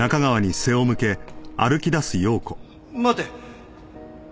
待て！